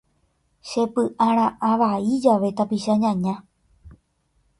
Chepy'ara'ã vai jave tapicha ñaña.